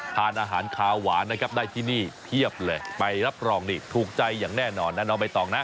ทานอาหารคาวหวานนะครับได้ที่นี่เพียบเลยไปรับรองนี่ถูกใจอย่างแน่นอนนะน้องใบตองนะ